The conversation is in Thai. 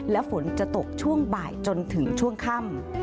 และฝนจะตกช่วงบ่ายจนถึงช่วงค่ำ